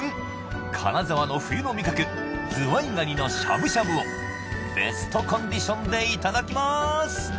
金沢の冬の味覚ズワイガニのしゃぶしゃぶをベストコンディションでいただきます